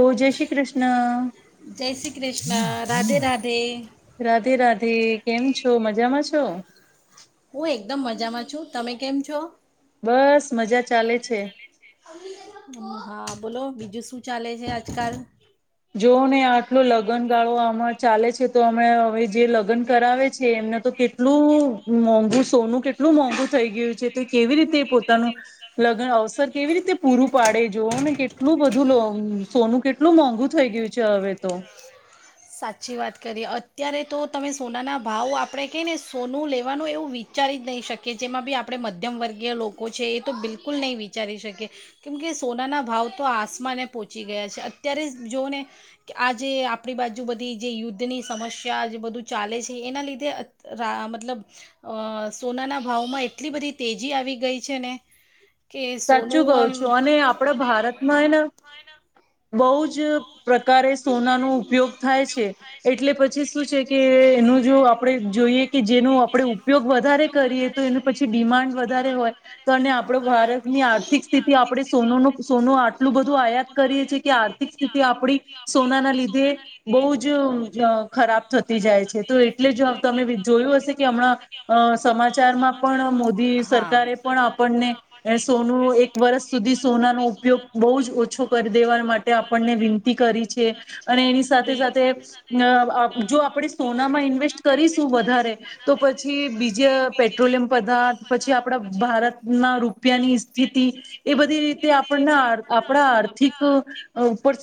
ઓ જય શ્રી કૃષ્ણ ના રાધે રાધે રાધે રાધે કેમ છો મજામાં છો? હું એકદમ મજામાં છું તમે કેમ છો બસ મજા ચાલે છે. હા બોલો બીજું શું ચાલે છે આજકાલ જો ને આટલો લગનગાળો આ ચાલે છે તો અમે હવે જે લગ્ન કરાવે છે એમને તો કેટલું મોંઘું સોનું કેટલું મોંઘુ થઈ ગયું છે તો કેવી રીતે પોતાનું લગ્ન અવસર કેવી રીતે પૂરું પાડે જો ને કેટલું બધું સોનું કેટલું મોંઘુ થઈ ગયું છે હવે તો સાચી વાત કરીએ અત્યારે તો તમે સોનાના ભાવ આપણે ક ને સોનું લેવાનું એવું વિચારી જ નહીં શકીએ જેમાં બી આપણે મધ્યમ વર્ગીય લોકો છે એ તો બિલકુલ નહીં વિચારી શકીએ કેમ કે સોનાના ભાવ તો આસમાને પહોંચી ગયા છે અત્યારે જોઓ ને કે આ જે આપણી બાજુ આજુ બધી જે યુદ્ધની સમસ્યા જે બધું ચાલે છે એના લીધે મતલબ અ સોનાના ભાવમાં એટલી બધી તેજી આવી ગઈ છે ને કે સાચું સોનું કઉ આમ છું અને આપડા ભારતમાં એને બહુ જ પ્રકારે સોનાનો ઉપયોગ થાય છે. એટલે પછી શું છે કે એનું જો આપડે જોઈએ કે જેનો આપડે ઉપયોગ વધારે કરીએ તો એનું પછી ડિમાન્ડ વધારે હોય તો અને આપડો ભારત ની આર્થિક સ્થિતિ આપણે સોનુંનું સોનું આટલું બધું આયાત કરીએ છીએ કે આર્થિક સ્થિતિ આપડી સોના ના લીધે બહુ જ અહ ખરાબ થતી જાય છે, તો એટલે જ તમે બી જોયું હશે કે હમણાં અહ સમાચારમાં પણ મોદી સરકારે પણ આપણ ને સોનું એક વર્ષ સુધી સોનાનો ઉપયોગ બહુ જ ઓછો કરી દેવા માટે આપણને વિનંતી કરી છે, અને એની સાથે-સાથે અહ જો આપણે સોનામાં ઇન્વેસ્ટ કરીશું વધારે તો પછી બીજે પેટ્રોલિયમ પદાર્થ, પછી આપણા ભારતના રૂ પિયાની સ્થિતિ એ બધી રીતે આપણના આપણા આર્થિક ઉપર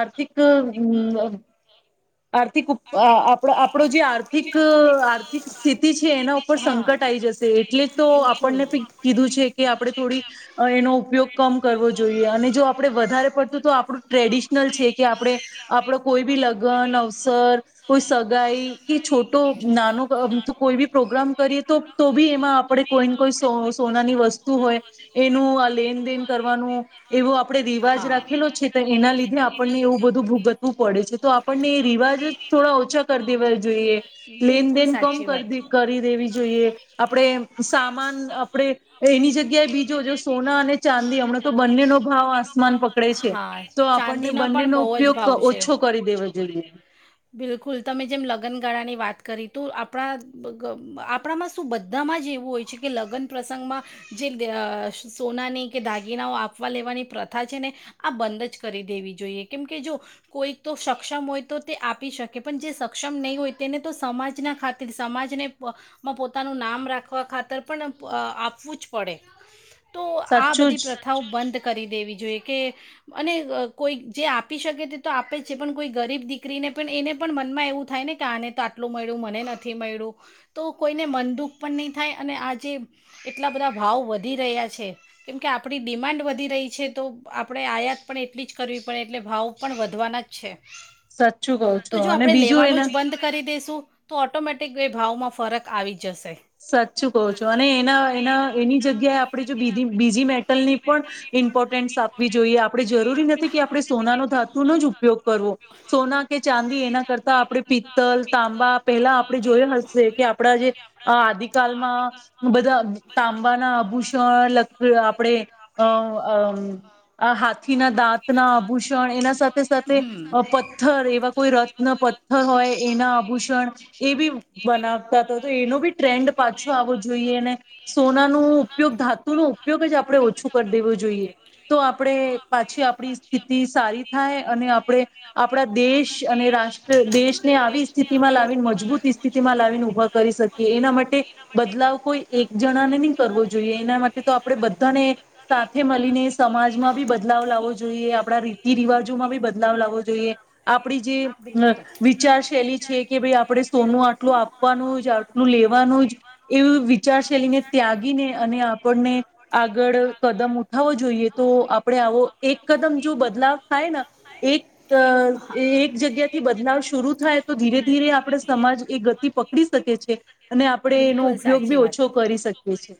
આર્થિક-આર્થિક ઉપ અહ આપણો જે આર્થિક-આર્થિક સ્થિતિ છે એના ઉપર સંકટ આઈ જશે એટલે છ તો આપણને બી કીધું છે કે આપણે થોડી અહ એનો ઉપયોગ કમ કરવો જોઈએ. અને જો આપણે વધારે પડતું તો આપણું ટ્રેડિશનલ છે કે આપણે આપડો કોઈ બી લગ્ન અવસર કોઈ સગાઈ કે છોટો નાનો પ કોઈ બી પ્રોગ્રામ કરીએ તો તો બી એમાં આપણે કોઈન કોઈ સો સોનાની વસ્તુ તું હોય, એનું આ લેનદેન કરવાનું એવો આપણે રિવાજ રાખેલો જ છે, તો એના લીધે આપણને એવું બધું ભૂગતવું પડે છે. તો આપણને એ રિવાજ જ થોડા ઓછા કર દેવા જોઈએ. લેનદેન કમ જોઈએ કરદી કરી દેવી જોઈએ. આપણે સામાન આપણે તો એની જગ્યાએ બીજો જો સોના અને ચાંદી હમણાં તો બંનેનો ભાવ આસમાન પકડે છે, હા તો આપણને ચાંદીના પણ બંનેનો બહુ જ ઉપયોગ ભાવ ઓછો કરી દેવો જોઈએ. ગાળાની વાત કરી તો આપણામાં અહ શું બધામાં જ એવું હોય છે કે લગ્ન પ્ર સંગમાં જે અહ સોનાની કે દાગીનાઓ આપવા લેવાની પ્રથા છે ને આ બંધ જ કરી દેવી જોઈએ, કેમકે જો કોઈ તો સક્ષમ હોય તો તે આપી શકે પણ જે સક્ષમ નહીં હોય તેને તો સમાજના ખાતે સમાજને પોતાનું નામ રાખવા ખાતર પણ અહ આપવું જ પડે. તો આ સાચું બધી જ પ્રથાઓ બંધ કરી દેવી જોઈએ કે અને અહ કોઈક જે આપી શકે તે તો આપે જ છે, પણ કોઈ ગરીબ દીકરીને પણ એને પણ મનમાં એવું થાય ને કે આને તો આટલું મળ્યું, મને નથી મળ્યું, તો કોઈને મન દુઃખ પણ નહીં થાય અને આ જે એટલા બધા ભાવ વધી રહ્યા છે, કેમકે આપણી ડિમાન્ડ વધી રહી છે, તો આપણે આયાત પણ એટલી જ કરવી પડે એટલે ભાવ પણ વધવાના જ છે. સાચું કહો છો તો જો અને આપણે બીજું લેવાનું એને જ બંધ કરી દઈશું તો ઓટોમેટિક વે ભાવમાં ફરક આવી જશે સાચું કહો છો અને એના એના એની જગ્યાએ આપણે જો બીજી બીજી મેટલની પણ ઇમ્પોર્ટન્સ આપવી જોઈએ. આપણે જરૂરી નથી કે આપણે સોનાનો ધાતુનો જ ઉપયોગ કરવો. સોના કે ચા દી એના કરતા આપણે પિત્તલ, તાંબા પેલા આપણે જોય હશે કે આપડા જે આ આદિકાલમાં બધા તાંબાના આભૂષણ લક આપણે અહ આવહાથીના દાંતના આભૂષણ એના સાથે-સાથે, પથ્થર એવા કોઈ રત્ન, પથ્થર હોય એના આભૂષણ, એ બી બનાવતા તા તો એનો બી ટ્રેન્ડ પાછો આવવો જોઈએ, ને સોના નું ઉપયોગ ધાતુનો ઉપયોગ જ આપણે ઓછું કર દેવું જોઈએ, તો આપણે પાછી આપણી સ્થિતિ સારી થાય, અને આપણે આપણા દે દેશ અને રાષ્ટ્ર દેશને આવી સ્થિતિમાં લાવીને મજબૂત સ્થિતિમાં લાવીને ઊભા કરી શક એ એના માટે, બદલાવ કોઈ એક જણાને નહી કરવો જોઈએ એના માટે તો આપણે બધાને, સાથે મળીને સમાજમાં બી બદલાવ લાવવો જોઈએ, આપણા રીતિ રિવાજોમાં બી બદલાવ લાવવો જોઈએ. આપણી જે અહ બિલકુલ વિચાર શૈલી છે કે ભાઈ આપણે સોનું આટલું આપવાનું જ આટલું લેવાનું જ, એવું વિચારશૈલીને ત્યાગીને અને આપણને આગળ કદમ ઉઠાવો જોઈએ, તો આપણેે આવો એક કદમ જો બદલાવ થાય ના એક હા એ એક જગ્યા થી હમ. બદલાવ શુરૂ થાય તો ધીરે-ધીરે આપડ સમાજ એ ગતિ પકડી શકે છે. અને આપણે એનો બિલકુલ ઉપયોગ સાચી બી વાત, ઓછો કરી શકીએ છે.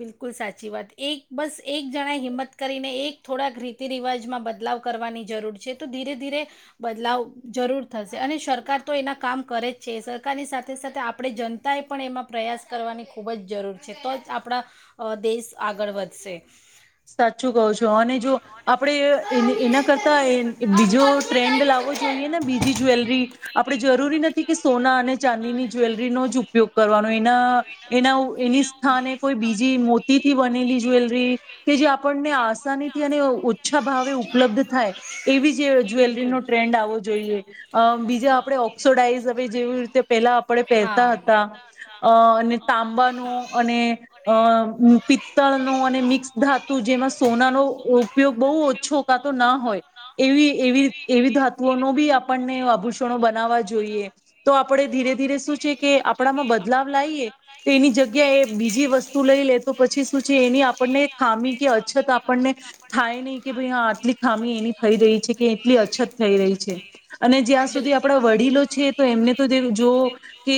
બિલકુલ સાચી વાત. એક બસ એક જણાએ હિંમત કરીને એક થોડાક રીતિ રિવાજમાં બદલાવ કરવાની જરૂર છે, તો ધીરે ધીરે બદલાવ જરૂર થશે, અને સરકાર તો એના કામ કરે જ છે, સરકારની સાથે-સાથે આપણે જનતા એ પણ એમાં પ્રયાસ કરવાની ખૂબ જ જરૂર છે. તો જ આપણા અહ દેશ આગળ વધશે. સાચું કહું છો અને જો આપડે એના કરતા બીજો ટ્રે હેન્ડ લાવો જોઈએ ને બીજી જ્વેલરી, આપણે જરૂરી નથી કે સોના અને ચાંદીની જ્વેલરીનો જ ઉપયોગ કરવાનો એના એના એની સ્થાને કોઈ બીજી મોતીથી બનેલી જ્વેલરી કે જે આપણને આસાનીથી અને ઓછા ભાવે ઉપલબ્ધ થાય, એવી જે જવેલ ટ્રેન્ડ આવો જોઈએ બીજા આપણે ઓક્સોઈઝ હવે જેવી રીતે પેલા આપણે પહેરતા હતા, અને તાંબાનો અને પિત્તળ નુ અને મિક્સ ધાતુ જેમાં સોના નો ઉપયોગ બહુ ઓછો કા તો ના હોય, એવી એવી ધાતુઓનો બી આપણને આભૂષણો બનાવવા જોઈએ, તો આપણે ધીરે ધીરે શું છે કે આપણામાં બદલાવ લાઈએ, તો એની જગ્યા એ બીજી વસ્તુ લઈ લે તો પછી શું છે એની આપણને ખી કે અછત આપણને થાય નહી કે ભાઈ આટલી ખામી એની થઈ રહી છે. એટલી અછત થઈ રહી છે, અને જ્યાં સુધી આપણા વડીલો છે તો એમને તો જોવ, કે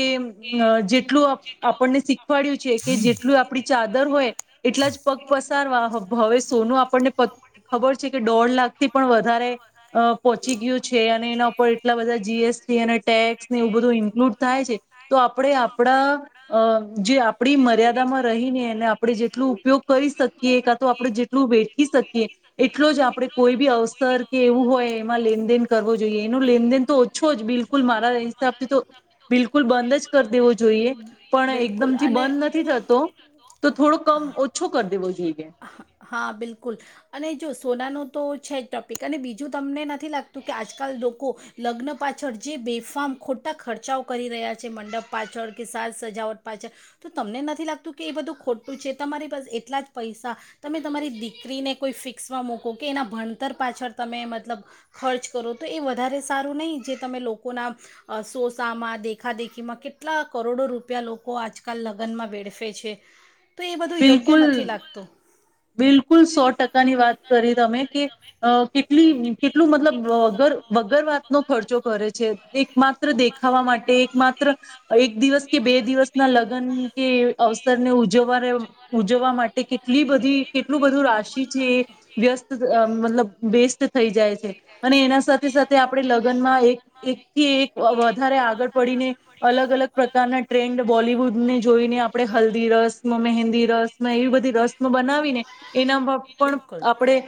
જેટલું આપણને શીખવાડ્યું છે કે જેટલું આપણી ચાદર હોય, એટલા જ પગ પસાર સાર વા હવે સોનું આપણને ખબર છે કે દોઢ લાખથી પણ વધારે અ પહોંચી ગયું છે અને એના ઉપર એટલા બધા જી એસ ટી અને ટેક્સને એવું બધું ઈન્ક્લુડ થાય છે, તો આપણે આપણા અ જે આપણી મર્યાદામાં રહીને એને આપણે જેટલો ઉપયોગ કરી શકીએ એ કા તો આપડણે જેટલું વેઠી શકીએ એટલો જ આપણેે કોઈ બી અવસર કે એવું હોય એમાં લેનદેન કરવો જોઈએ એનો લેનદેન તો ઓછો જ બિલકુલ મારા હિસાબથી તો બિલકુલ બંધ જ કરી દેવો જોઈએ પણ બિલકુલ. એકદમથી અને બંધ નથી થતો તો થોડો કમ ઓછો કરી દેવો જોઈએ હા બિલકુલ અને જો સોનાનું તો છે જ ટોપિક અને બીજું જો તમને નથી લાગતું કે આજકાલ લોકો લગ્ન પાછળ જે બેફામ ખોટા ખર્ચાઓ કરી રહ્યા છે મંડપ પાછળ કે સાજ સજાવટ પાછળ તો તમને નથી લાગતું કે એ બધું ખોટું છે તમારી પાસે એટલા જ પૈસા તમે તમારી દીકરીને કોઈ ફિક્સમાં મકો કે એના ભણતર પાછળ તમે મતલબ ખર્ચ કરો તો એ વધારે સારું નહીં જે તમે લોકોના સોસામાં દેખાદેખીમાં કેટલા કરોડો રૂપિયા લોકો આજકાલ લગ્નમાં વેડફે છે તો એ બધું યોગ્ય બિલકુલ નથી લાગતું બિલકુલ સો ટકાની વાત કરી તમે કે અ કેટલી કેટલું મતલબ વગર વગર વાત નો ખર્ચો કરે છે એક માત્ર દેખાવા માટે એક માત્ર એક દિવસ કે બે દિવસ ના લગ કે અવ સરને ઉજવવા ઉજવવા માટે કેટલી બધી કેટલું બધું રાશિ છે એ વ્યસ્ત મતલબ વેસ્ટ થઈ જાય છે અને એના સાથે સાથે આપણે લગ્નમાં એક એકથી એક વધારે આગળ પડીને અલગ અલગ પ્રકારના ટ્રેન્ડ બોલિવુડ ને જોઈને આપણે હલ્દી રસ્મ ન મહેંદી રસ્મ એવી બધી રસ્મ નો બનાવીને એનામાં પણ બિલકુલ. બિલકુલ. આપણેે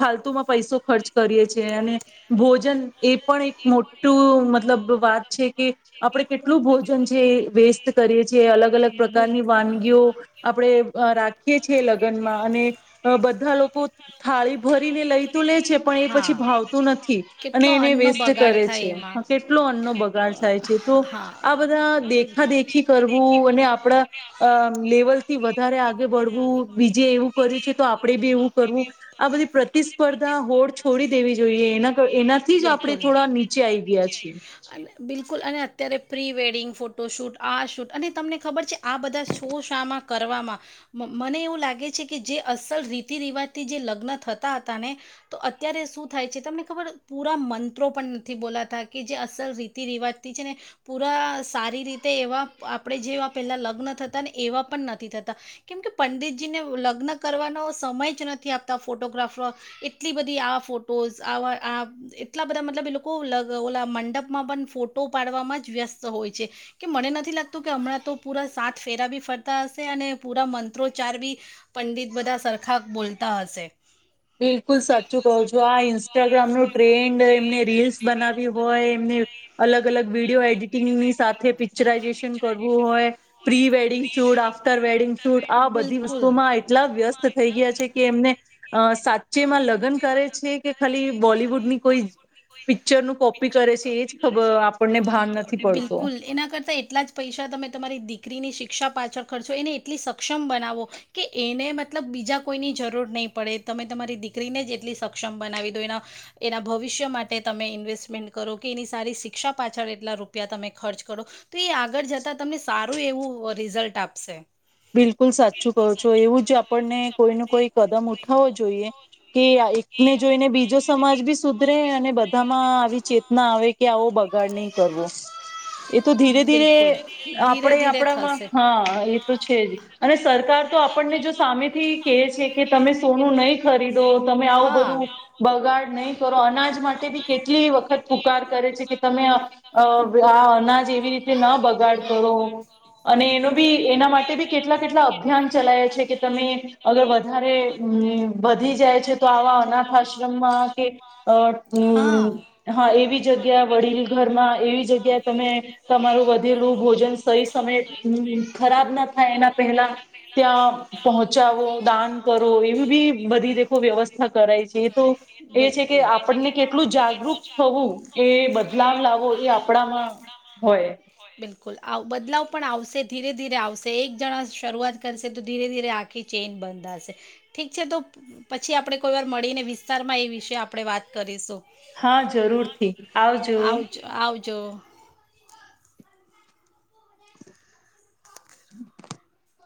ફાલતુમાં પૈસો ખર્ચ કરીએ છેએ અને ભોજન એ પણ એક મોટું મતલબ વાત છે કે આપણે કેટલું ભોજન છે વેસ્ટ કરીએ છીએ અલગ અલગ પ્રકારની આપણેે રાખીએ છીએ લગ્નમાં અને અ બધા લોકો થાળી ભરીને લઈ તો લે છે પણ એ હા પછી ભાવતું નથી અને કેટલો એને અન્નનો વેસ્ટ બગાડ કરે થાય છે એમાં કેટલો અન્નો બગાડ થાય છે તો હા આ બધા દેખા બિલકુલ. દેખી કરવું અને આપડા અ લેવલ થી વધારે આગે બળવું બીજે એવું [unintelligible] છે તો આપણે બી એવું કરવું આ બધી પ્રતિસ્પર્ધા હોડ છોડી દેવી જોઈએ, એના એનાથી જ આપણે થોડા નીચે આવી ગયા છી. બિલકુલ અને અત્યારે પ્રી વેડિંગ ફોટો શૂટ આ શૂટ અને તમને ખબર છે આ બધા શો શામાં કરવામાં મ મને એવું લાગે છે કે જે અસલ રીતિ રિવાજથી જે લગ્ન થતા હતા ને તો અત્યારે શું થાય છે, તમને ખબર પૂરા મંત્રો પણ નથી બોલાતા કે જે અસલ રીતિ રિવાજથી છે ને પૂરા સારી રીતે એવા આપણે જે એવા પહેલાં લગ ન થતાં ને એવા પણ નથી થતા, કેમ કે પંડિતજીને લગ્ન કરવાનો સમય જ નથી આપતા ફોટોગ્રાફોર. એટલી બધી આ ફોટોઝ આવા આ એટલા બધા મતલબ એ લોકો લગ ઓલા મંડપમાં પણ ફોટો પાડવામાં જ વ્યસ્ત હોય છે, કે મને નથી લાગતું કે હમણાં તો પૂરા સાત ફેરા બી ફરતા હશે, અને પૂરા મંત્રોચ્ચાર બી પંડિત બધા સરખા બોલતા હશે. બિલકુલ સાચું કહો છું. આ ઇન્સ્ટાગ્રામ નો ટ્રેન્ડ એમને રીલ્સ બનાવી હોય એમને અલગ-અલગ વિડીયો એડિટિંગની સાથ થે પિક્ચરાઈઝેશન કરવું હોય, pre wedding shoot, after wedding shoot આ બધી બિલકુલ વસ્તુમાં એટલા વ્યસ્ત થઈ ગયા છે કે એમને અહ સાત બોલિવુડની કોઈ પિક્ચરનું કોપી કરે છે એ જ ખબર આપણને ભાન નથી પડતો બિલકુલ. એના કરતા એટલાં જ પૈસા તમે તમારી દિકરીની શિક ક્ષા પાછળ ખર્ચો એને એટલી સક્ષમ બનાવો, કે એને મતલબ બીજા કોઈની જરૂર નહીં પડે. તમે તમારી દી કરીને જ એટલી સક્ષમ બનાવી દો, એના એના ભવિષ્ય માટે તમે ઇન્વેસ્ટમેન્ટ કરો, કે એની સારી શિક્ષા પાછળ એટલા રૂપિયા તમે ખર્ચ કરો, તો એ આગળ જતા તમને સારું એવું રિઝલ્ટ આપશે. બિલકુલ સાચું કહો છો. એવું જ આપણને કોઈને કોઈ કદમ ઉઠાવો જોઈએ. કે આ એકને જોઈને બીજો સમાજ બી સુધરે, અને બધામાં આવી ચેતના આવે કે આવો બગાડ નહી કરવો. એ તો ધીરે ધીરે બિલકુલ ધીરે આપણે ધીરે આપણામાં થશે હા એ તો છે જ, અને સરકાર તો આપણને જો સામેથી કહે છે કે તમે સોનું નહીં ખરીદો, તમે આવું હા. બધું બગાડ નહીં કરો, અનાજ માટે બી કેટલી વખત પુકાર કરે છે, કે તમે અહ આ અનાજ એવી રીતે ન બગાડ કરો, અને એનો ભી એના માટે કેટલા કેટલા અભિયાન ચલાય છે કે તમે અગર વધારે અમ વધી જાય છે તો આવા અનાથ આશ્રમમાં કે અહ ઉમ હા. હા એવી જગ્યાએ વડીલ ઘરમાં એવી જગ્યા તમે તમારું વધેલું ભોજન સહી સમયે અમ ખરાબ ના ના થાય એના પહેલા ત્યાં પહોંચાવો, દાન કરો એવું બી બ વ્યવસ્થા કરાય છે એ તો એ છે કે બિલકુલ. આપણને કેટલું જાગૃઈ થવું એ બદલાવ લાવો એ આપણામાં હોય એમ. કુલ. આવ બદલાવ પણ આવશે, ધીરે-ધીરે આવશે, એક જણા શરૂઆત કરશે તો ધીરેરધીરે આખી ચેઇન બદલાશે. ઠીક છે તો પછી આપણે કોઈવાર મળીને વિસ્તારમાં એ વિશે આપણે વાત કરીશું. હા જરૂરથી, આવજો. હમ